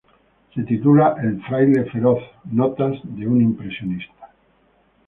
Se titula ""El fraile feroz-Notas de un impresionista""".